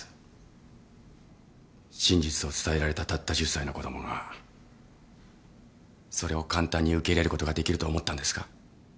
真実を伝えられたたった１０歳の子供がそれを簡単に受け入れることができると思ったんですか？